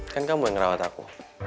kan kamu yang ngerawat aku